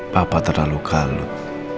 papa terlalu galut